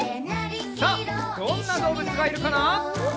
さあどんなどうぶつがいるかな？